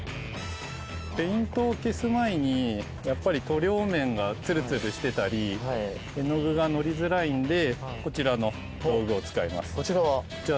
ペイントを消す前に塗料面がツルツルしてたり絵の具が乗りづらいのでこちらの道具を使います。